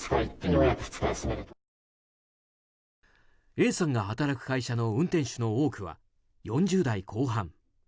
Ａさんが働く会社の運転手の多くは４０代後半。